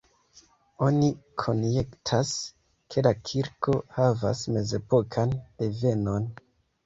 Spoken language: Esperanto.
Oni konjektas, ke la kirko havas mezepokan devenon.